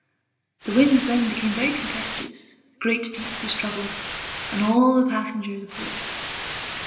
The winds then became very tempestuous, the Great Deep was troubled, and all the passengers appalled.